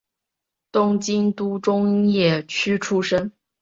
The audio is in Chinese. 东京都中野区出生。